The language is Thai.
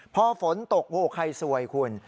พอฝนตกโอ้ใครซวยคุณ